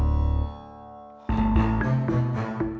ia hari yang cyclone